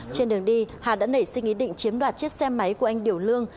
trên đường đi hà đã nảy sinh ý định chiếm đoạt chiếc xe máy của anh điểu lương